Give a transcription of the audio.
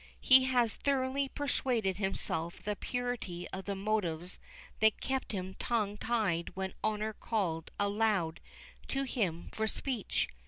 He has thoroughly persuaded himself the purity of the motives that kept him tongue tied when honor called aloud to him for speech.